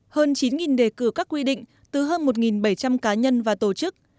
hơn chín đề cử các quy định từ hơn một bảy trăm linh cá nhân và tổ chức